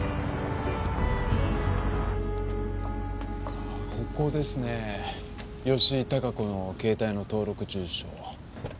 ああここですね吉井孝子の携帯の登録住所。